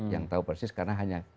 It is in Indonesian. yang tahu persis karena hanya